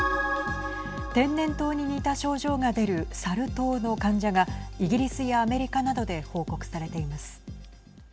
天然痘に似た症状が出るサル痘の患者がイギリスやアメリカなどで報告されています。